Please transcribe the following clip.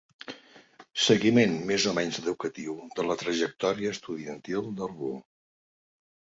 Seguiment més o menys educatiu de la trajectòria estudiantil d'algú.